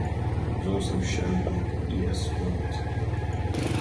It was also shown on Eir Sport.